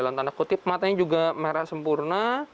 matanya juga merah sempurna